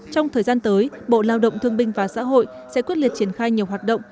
trong thời gian tới bộ lao động thương binh và xã hội sẽ quyết liệt triển khai nhiều hoạt động